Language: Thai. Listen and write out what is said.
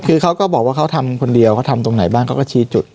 คือเขาก็บอกว่าเขาทำคนเดียวเขาทำตรงไหนบ้างเขาก็ชี้จุด